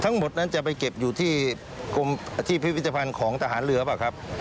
ทั้งหมดนั้นจะไปเก็บอยู่ที่กรมอาชีพพิพิธภัณฑ์ของทหารเรือเปล่าครับ